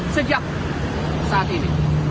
sejak saat ini